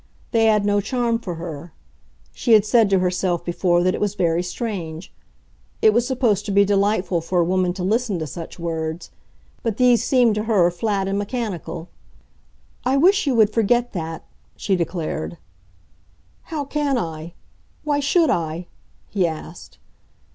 They had no charm for her; she had said to herself before that it was very strange. It was supposed to be delightful for a woman to listen to such words; but these seemed to her flat and mechanical. "I wish you would forget that," she declared. "How can I—why should I?" he asked.